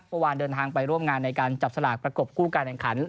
เมื่อวานเดินทางไปร่วมงานในการจับสลากประกบคู่การแข่งขัน